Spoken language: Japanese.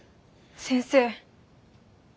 先生